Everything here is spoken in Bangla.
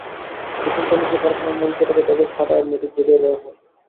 সিদ্ধান্ত অনুযায়ী, কারখানার মূল ফটকে তাঁদের ছাঁটাইয়ের নোটিশ ঝুলিয়ে দেওয়া হয়।